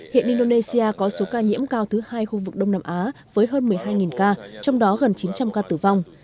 hiện indonesia có số ca nhiễm cao thứ hai khu vực đông nam á với hơn một mươi hai ca trong đó gần chín trăm linh ca tử vong